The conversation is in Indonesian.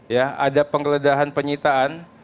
ya ada penggeledahan penyitaan